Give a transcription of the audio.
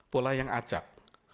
pola yang acak